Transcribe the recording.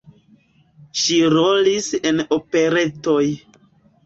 Ŝi rolis en operetoj.